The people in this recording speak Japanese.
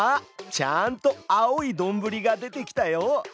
ちゃんと青いどんぶりが出てきたよ。